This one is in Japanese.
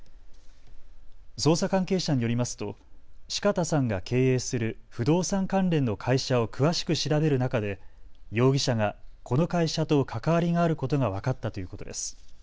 捜査関係者によりますと四方さんが経営する不動産関連の会社を詳しく調べる中で容疑者がこの会社と関わりがあることが分かったということです。